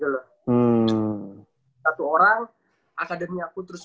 kalau kita melakukan segala sesuatunya dengan benar